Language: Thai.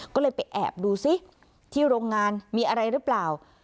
ก็เลยไปแอบดูซิที่โรงงานมีอะไรหรือเปล่า